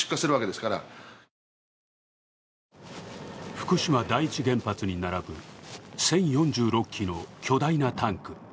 福島第一原発に並ぶ１０４６基の巨大なタンク。